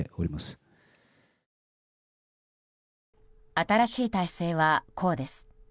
新しい体制はこうです。